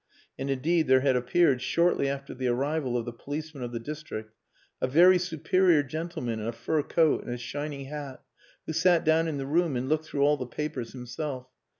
And indeed there had appeared, shortly after the arrival of the policemen of the district, a very superior gentleman in a fur coat and a shiny hat, who sat down in the room and looked through all the papers himself.